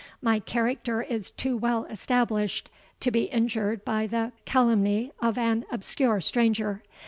My character is too well established to be injured by the calumny of an obscure stranger.